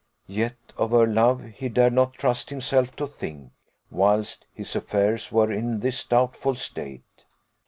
Yet of her love he dared not trust himself to think, whilst his affairs were in this doubtful state.